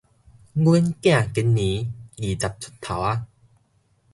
阮囝今年二十出頭矣